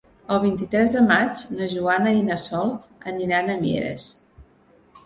El vint-i-tres de maig na Joana i na Sol aniran a Mieres.